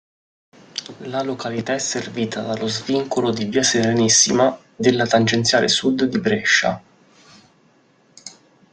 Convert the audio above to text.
La località è servita dallo svincolo di Via Serenissima della tangenziale sud di Brescia.